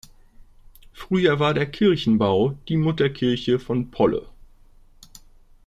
Früher war der Kirchenbau die Mutterkirche von Polle.